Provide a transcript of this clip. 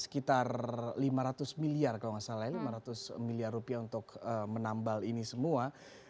sekitar lima ratus miliar kalau nggak salah ya lima ratus miliar rupiah untuk menambal ini semua